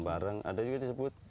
bareng ada juga disebut